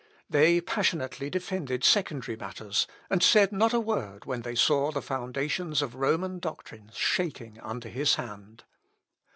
They passionately defended secondary matters, and said not a word when they saw the foundations of Roman doctrine shaking under his hand.